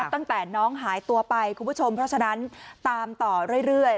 ตั้งแต่น้องหายตัวไปคุณผู้ชมเพราะฉะนั้นตามต่อเรื่อย